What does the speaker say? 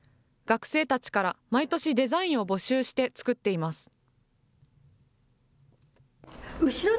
学生たちから、毎年デザインを募集して作っています。